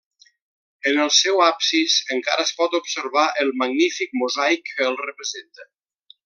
En el seu absis encara es pot observar el magnífic mosaic que el representa.